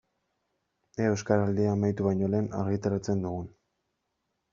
Ea Euskaraldia amaitu baino lehen argitaratzen dugun.